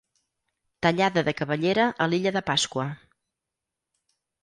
Tallada de cabellera a l'illa de Pasqua.